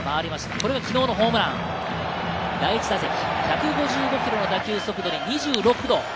これが昨日のホームラン第１打席、１５５キロの打球速度。